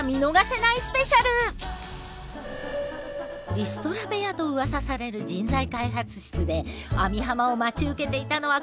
リストラ部屋とうわさされる人材開発室で網浜を待ち受けていたのはこの３人。